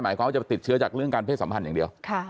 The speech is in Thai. เขาจะไปติดเชื้อจากเรื่องการเพศสัมพันธ์อย่างเดียว